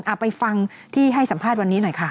เอาไปฟังที่ให้สัมภาษณ์วันนี้หน่อยค่ะ